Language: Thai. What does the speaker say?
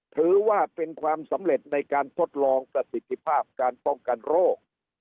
ถือว่าเป็นความสำเร็จในการทดลองประสิทธิภาพการป้องกันโรค